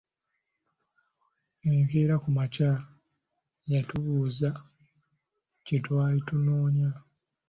Enkeera ku makya yatubuuza kye twali tunonye.